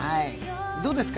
どうですか？